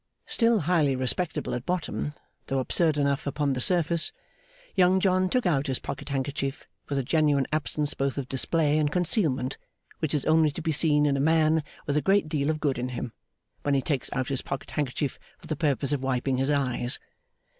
Still highly respectable at bottom, though absurd enough upon the surface, Young John took out his pocket handkerchief with a genuine absence both of display and concealment, which is only to be seen in a man with a great deal of good in him, when he takes out his pocket handkerchief for the purpose of wiping his eyes.